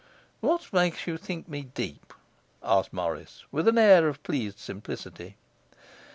'What makes you think me deep?' asked Morris with an air of pleased simplicity.